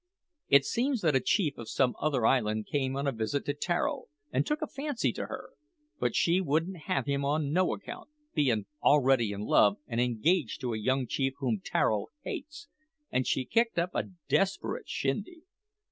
It seems that a chief of some other island came on a visit to Tararo and took a fancy to her; but she wouldn't have him on no account, bein' already in love, and engaged to a young chief whom Tararo hates, and she kicked up a desperate shindy.